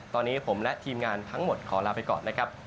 ตอนนี้ผมและทีมงานทั้งหมดขอลาไปก่อนนะครับ